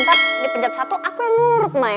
ntar di pencet satu aku yang nurut ma